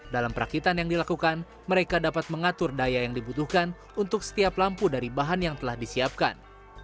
dalam perakitan yang dilakukan mereka dapat mengatur daya yang dibutuhkan untuk setiap lampu dari bahan yang telah disiapkan